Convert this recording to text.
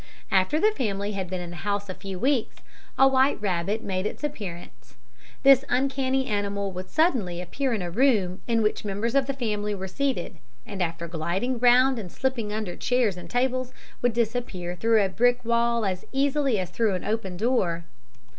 "After the family had been in the house a few weeks, a white rabbit made its appearance. This uncanny animal would suddenly appear in a room in which members of the family were seated, and after gliding round and slipping under chairs and tables, would disappear through a brick wall as easily as through an open door."